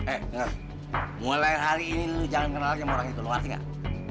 eh dengar mulai hari ini lo jangan kenal lagi sama orang itu lo ngerti nggak